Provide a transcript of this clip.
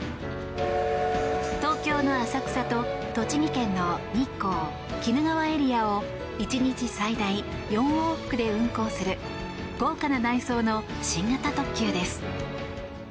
東京の浅草と栃木県の日光・鬼怒川エリアを１日最大４往復で運行する豪華な内装の新型特急です。